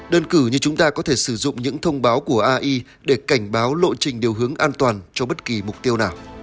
đơn cử như chúng ta có thể sử dụng những thông báo của ai để cảnh báo lộ trình điều hướng an toàn cho bất kỳ mục tiêu nào